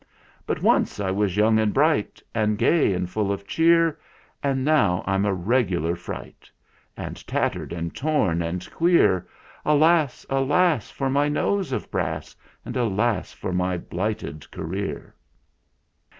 "But once I was young and bright, And gay and full of cheer; Now I'm a regular fright, And tattered and torn and queer. Alas, alas! for my nose of brass, And alas ! for my blighted career."